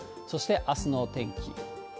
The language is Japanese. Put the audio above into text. そしてあすの天気。